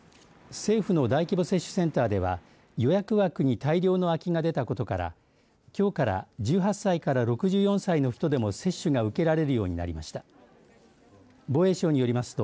政府の大規模接種センターでは予約枠に大量の空きが出たことからきょうから１８歳から６４歳の人でも接種が受けられるようになりました。